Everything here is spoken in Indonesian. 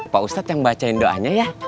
pak ustadz yang bacain doanya ya